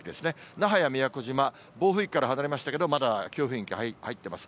那覇や宮古島、暴風域から離れましたけど、まだ強風域に入ってます。